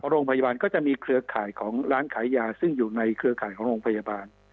โรงพยาบาลก็จะมีเครือข่ายของร้านขายยาซึ่งอยู่ในเครือข่ายของโรงพยาบาล